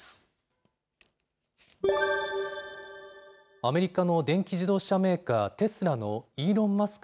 アメリカの電気自動車メーカー、テスラのイーロン・マスク